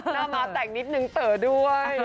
หน้าม้าแต่งนิดนึงเต๋อด้วย